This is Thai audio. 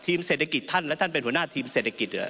เศรษฐกิจท่านและท่านเป็นหัวหน้าทีมเศรษฐกิจ